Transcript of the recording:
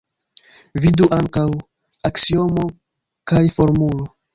Vidu ankaŭ: Aksiomo Kai Formulo.